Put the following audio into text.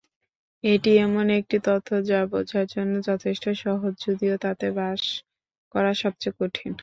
এটি এমন একটি তথ্য যা বোঝার জন্য যথেষ্ট সহজ যদিও তাতে বাস করা সবচেয়ে কঠিন।